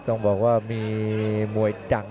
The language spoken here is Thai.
ต้องบอกว่ามีมวยจัง